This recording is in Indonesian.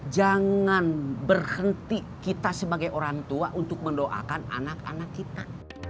jangan berhenti kita sebagai orang tua untuk mendoakan anak anak kita